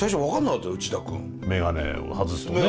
眼鏡を外すとね。